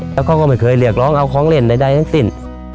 แล้วเขาก็ไม่เคยเรียกร้องเอาของเล่นใดทั้งสิ้น